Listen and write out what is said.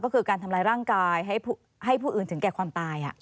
ก็คือการทำร้ายร่างกายให้ผู้อื่นถึงแก่ความตาย